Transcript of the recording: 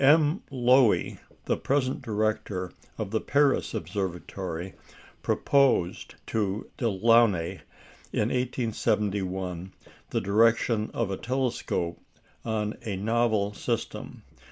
M. Loewy, the present director of the Paris Observatory, proposed to Delaunay in 1871 the direction of a telescope on a novel system.